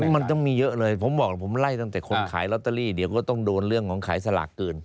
มันต้องมีเยอะเลยผมบอกผมไล่ตั้งแต่คนขายลอตเตอรี่เดี๋ยวก็ต้องโดนเรื่องของขายสลากเกิน